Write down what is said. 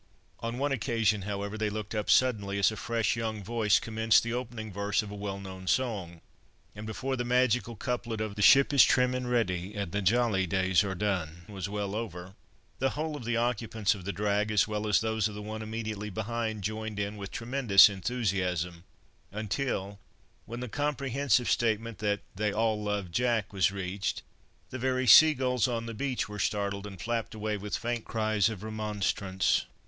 On one occasion, however, they looked up suddenly as a fresh young voice commenced the opening verse of a well known song, and before the magical couplet of "The ship is trim and ready, and the jolly days are done," was well over, the whole of the occupants of the drag, as well as those of the one immediately behind, joined in with tremendous enthusiasm, until, when the comprehensive statement that "They all love Jack" was reached, the very sea gulls on the beach were startled, and flapped away with faint cries of remonstrance.